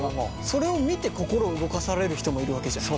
それを見て心を動かされる人もいるわけじゃん。